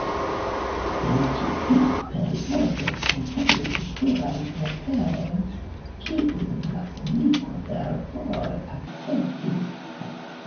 En ĉi tiu periodo li komponis plurajn operojn, kiujn la publiko fervore akceptis.